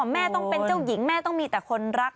แม่ต้องเป็นเจ้าหญิงแม่ต้องมีแต่คนรัก